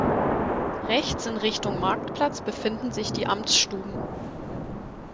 Rechts in Richtung Marktplatz befinden sich die Amtsstuben.